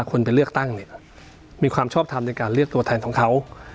คนไปเลือกตั้งเนี่ยมีความชอบทำในการเลือกตัวแทนของเขา